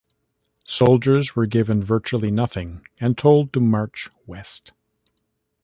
Soldiers were given virtually nothing and told to march west.